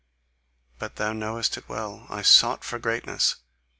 But thou knowest it well I sought for greatness!